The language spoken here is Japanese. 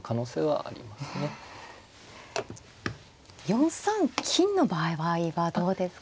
４三金の場合はどうですか。